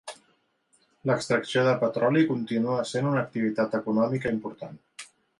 L'extracció de petroli continua sent una activitat econòmica important.